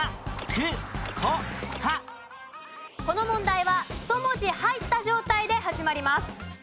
この問題は１文字入った状態で始まります。